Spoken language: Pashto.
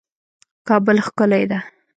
کابل ښکلی ده